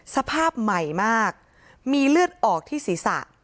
สภาพใหม่มากมีเลือดออกที่ศีรษะ